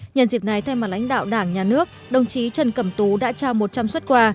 nhân dịp này thay mặt lãnh đạo đảng nhà nước đồng chí trần cẩm tú đã trao một trăm linh xuất quà